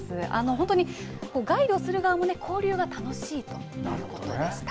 本当に、ガイドする側も交流が楽しいということでした。